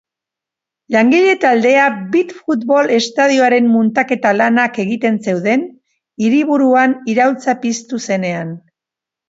Langile taldea bi futbol estadioren muntaketa lanak egiten zeuden hiriburuan iraultza piztu zenean.